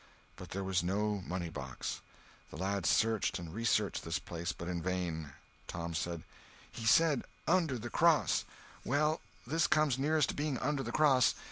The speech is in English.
But there was no moneybox. The lads searched and researched this place, but in vain. Tom said: "He said under the cross. Well, this comes nearest to being under the cross.